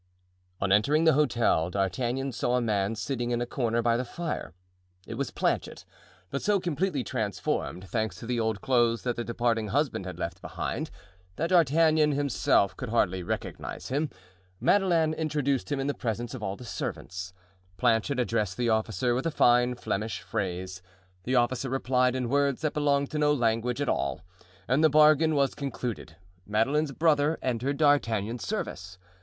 On entering the hotel D'Artagnan saw a man sitting in a corner by the fire. It was Planchet, but so completely transformed, thanks to the old clothes that the departing husband had left behind, that D'Artagnan himself could hardly recognize him. Madeleine introduced him in presence of all the servants. Planchet addressed the officer with a fine Flemish phrase; the officer replied in words that belonged to no language at all, and the bargain was concluded; Madeleine's brother entered D'Artagnan's service.